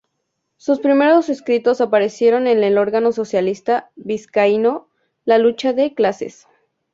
Sus primeros escritos aparecieron en el órgano socialista vizcaíno, "La Lucha de Clases".